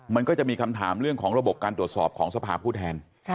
มันก็จะมีคำถามเรื่องของระบบการตรวจสอบของสภาพผู้แทน